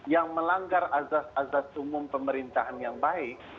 yang melanggar azas azas umum pemerintahan yang baik